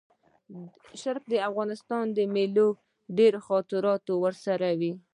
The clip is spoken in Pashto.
د شرقي افغانستان د مېلو ډېرې خاطرې ورسره وې.